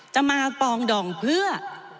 จะมากองดองเพื่อ